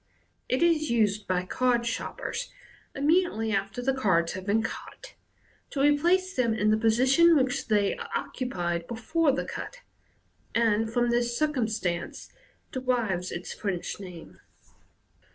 It is used by card sharpers, immedi ately after the cards have been cut, to replace them in the position which they occupied before the cut, and from this circumstance derives its French name.